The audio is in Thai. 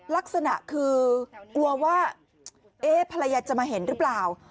ลักษณะคือกลัวว่าเอ๊ะภรรยาจะมาเห็นหรือเปล่า